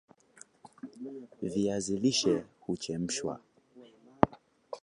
viazi lishe huchemshwa